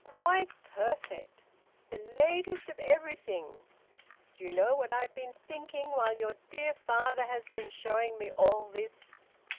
Quite perfect! The latest of everything! Do you know what I've been thinking while your dear father has been showing me all this.